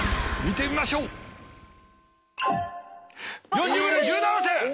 ４０分の１７点。